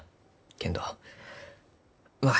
けんどまあ